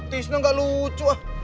tisna gak lucu ah